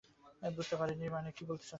বুঝতে পারোনি মানে কী বলতে চাচ্ছ তুমি?